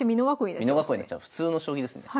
普通の将棋ですね。